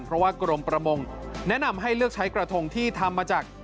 เพราะว่ากรมประมงแนะนำให้เลือกใช้กระทงที่ทำมาจาก